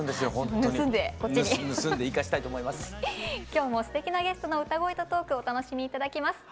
今日もすてきなゲストの歌声とトークをお楽しみ頂きます。